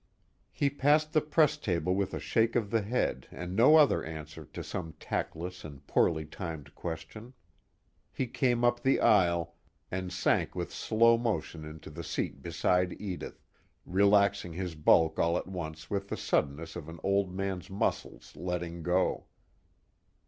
He passed the press table with a shake of the head and no other answer to some tactless and poorly timed question. He came up the aisle, and sank with slow motion into the seat beside Edith, relaxing his bulk all at once with the suddenness of an old man's muscles letting go.